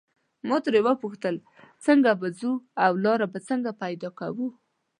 ما ترې وپوښتل څنګه به ځو او لاره به څنګه پیدا کوو.